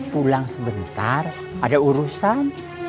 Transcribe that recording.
pulang sebentar ada urusan